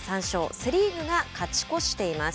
セ・リーグが勝ち越しています。